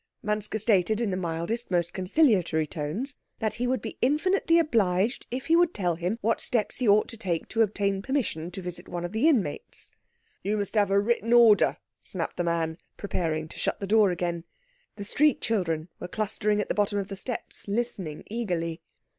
Manske stated, in the mildest, most conciliatory tones, that he would be infinitely obliged if he would tell him what steps he ought to take to obtain permission to visit one of the inmates. "You must have a written order," snapped the man, preparing to shut the door again. The street children were clustering at the bottom of the steps, listening eagerly.